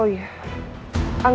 ya pada saat ini